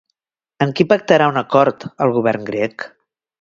Amb qui pactarà un acord el govern grec?